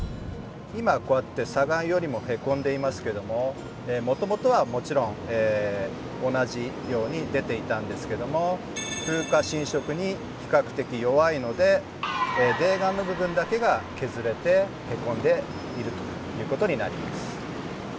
今こうやって砂岩よりも凹んでいますけどももともとはもちろん同じように出ていたんですけども風化侵食に比較的弱いので泥岩の部分だけが削れて凹んでいるということになります。